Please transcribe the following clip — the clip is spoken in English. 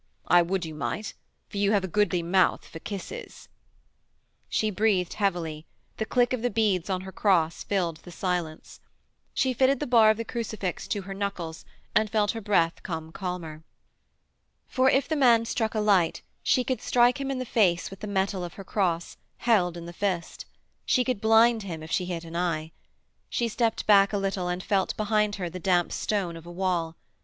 'I would you might, for you have a goodly mouth for kisses.' She breathed heavily; the click of the beads on her cross filled the silence. She fitted the bar of the crucifix to her knuckles and felt her breath come calmer. For, if the man struck a light she could strike him in the face with the metal of her cross, held in the fist; she could blind him if she hit an eye. She stepped back a little and felt behind her the damp stone of a wall.